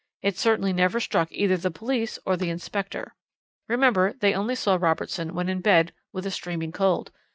It certainly never struck either the police or the inspector. Remember they only saw Robertson when in bed with a streaming cold.